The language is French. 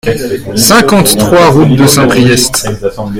cinquante-trois route de Saint-Priest